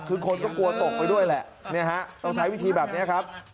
คือคนก็กลัวตกไปด้วยแหละต้องใช้วิธีแบบนี้ครับ